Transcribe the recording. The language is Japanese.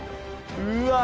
うわ！